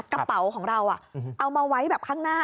กระเป๋าของเราเอามาไว้แบบข้างหน้า